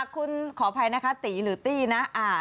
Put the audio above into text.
คุณขออภัยนะคะตีหรือตี้นะ